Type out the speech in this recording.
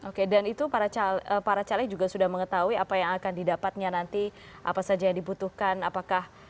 oke dan itu para caleg juga sudah mengetahui apa yang akan didapatnya nanti apa saja yang dibutuhkan apakah